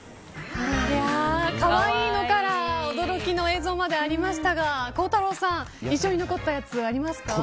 可愛いのから驚きの映像までありましたが、孝太郎さん印象に残ったやつありますか。